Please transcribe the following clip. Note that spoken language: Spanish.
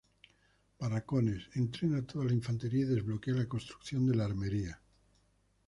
Barracones: entrena toda la infantería y desbloquea la construcción de la armería.